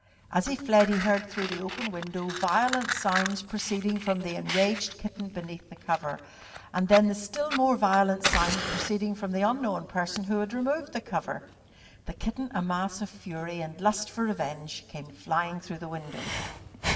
As he fled he heard through the open window violent sounds proceeding from the enraged kitten beneath the cover, and then the still more violent sounds proceeding from the unknown person who removed the cover. The kitten, a mass of fury and lust for revenge, came flying through the window.